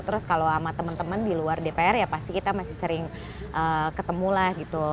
terus kalau sama teman teman di luar dpr ya pasti kita masih sering ketemu lah gitu